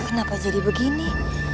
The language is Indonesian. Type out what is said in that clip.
kenapa jadi begini